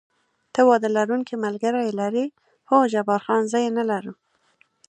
ته واده لرونکی ملګری لرې؟ هو، جبار خان: زه یې نه لرم.